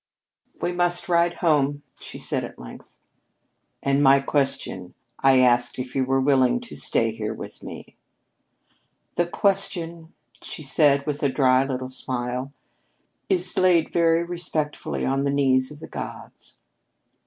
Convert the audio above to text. "We must ride home," she said at length. "And my question? I asked you if you were willing to stay here with me?" "The question," she said with a dry little smile, "is laid very respectfully on the knees of the gods."